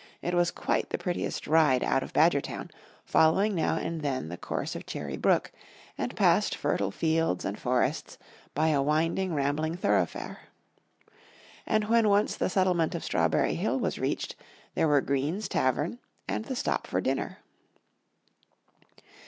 It was quite the prettiest ride out of Badgertown, following now and then the course of Cherry brook, and past fertile fields and forests, by a winding, rambling thoroughfare. And when once the settlement of Strawberry Hill was reached, there were Green's Tavern and the stop for dinner!